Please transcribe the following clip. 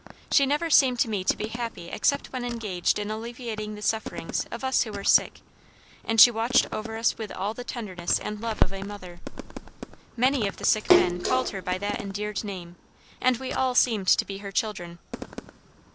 She never seemed to me to be happy except when engaged in alleviating the sufferings of us who were sick, and she watched over us with all the tenderness and love of a mother. Many of the sick men called her by that endeared name, and we all seemed to be her children.